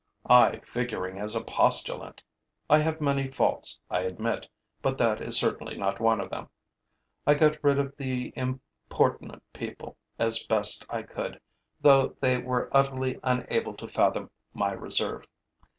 I figuring as a postulant! I have many faults, I admit, but that is certainly not one of them. I got rid of the importunate people as best I could, though they were utterly unable to fathom my reserve.